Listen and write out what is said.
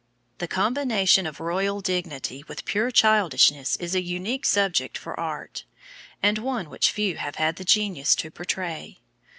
The combination of royal dignity with pure childishness is a unique subject for art, and one which few have had the genius to portray.